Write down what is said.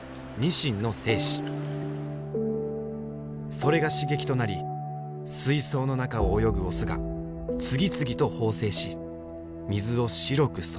それが刺激となり水槽の中を泳ぐオスが次々と放精し水を白く染めたのだ。